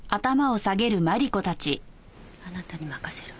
あなたに任せるわ。